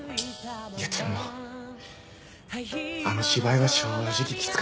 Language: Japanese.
いやでもあの芝居は正直きつかったです。